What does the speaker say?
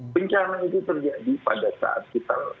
bencana itu terjadi pada saat kita